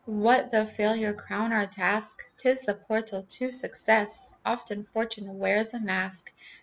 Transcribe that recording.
What though failure crown our task! 'Tis the portal to success. Often Fortune wears a mask.